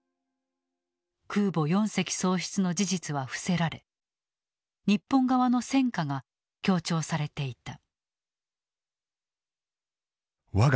空母４隻喪失の事実は伏せられ日本側の戦果が強調されていた。